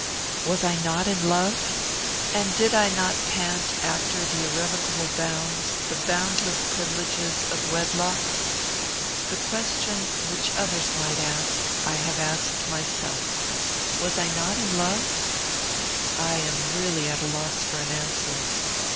Was I not in love? and did I not pant after the irrevocable bounds, the boundless privileges, of wedlock? The question which others might ask, I have asked myself: Was I not in love? I am really at a loss for an answer.